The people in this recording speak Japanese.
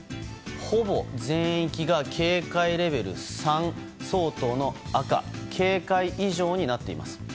ほぼ全域が警戒レベル３相当の赤警戒以上になっています。